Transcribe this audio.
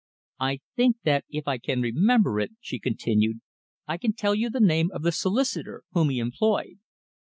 "I think that if I can remember it," she continued, "I can tell you the name of the solicitor whom he employed."